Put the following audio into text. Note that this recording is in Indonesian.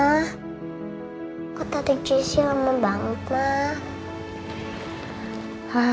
ma kok tante jessy lama banget ma